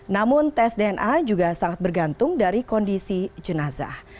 namun tes dna juga sangat bergantung dari kondisi jenazah